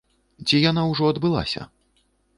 Ці яна ўжо адбылася?